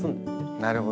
なるほどね。